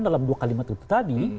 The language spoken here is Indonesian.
dalam dua kalimat itu tadi